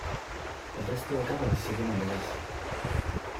El resto de cámaras se llenan de gas.